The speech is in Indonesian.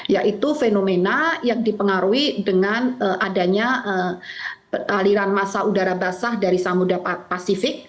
yaitu fenomena yang dipengaruhi dengan adanya aliran masa udara basah dari samudera pasifik